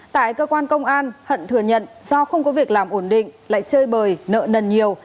tại cơ quan công an hận thừa nhận do không có việc làm ổn định lại chơi bời nợ nần nhiều